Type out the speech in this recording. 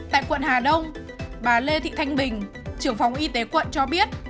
tại quận hà đông bà lê thị thanh bình trưởng phòng y tế quận cho biết